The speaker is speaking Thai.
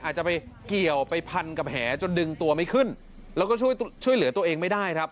อาจจะไปเกี่ยวไปพันกับแหจนดึงตัวไม่ขึ้นแล้วก็ช่วยช่วยเหลือตัวเองไม่ได้ครับ